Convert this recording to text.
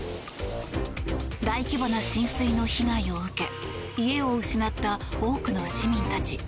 大規模な浸水の被害を受け家を失った多くの市民たち。